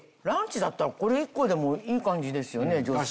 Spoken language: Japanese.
ランチだったらこれ１個でもいい感じですよね